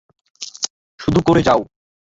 শুধু করে যাও।